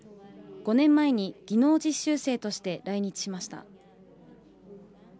５年前に技能実習生として来日しました。